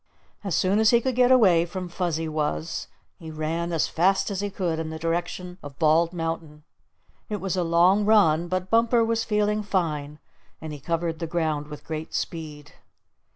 As soon as he could get away from Fuzzy Wuzz, he ran as fast as he could in the direction of Bald Mountain. It was a long run, but Bumper was feeling fine, and he covered the ground with great speed.